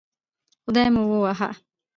خدای مو ووهه